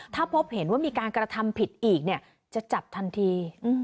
ถ้าพบเห็นว่ามีการกระทำผิดอีกเนี่ยจะจับทันที